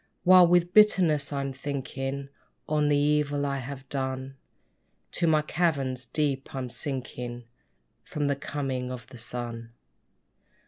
While with bitterness I'm thinking On the evil I have done, To my caverns deep I'm sinking From the coming of the sun.